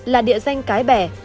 là địa danh cái bè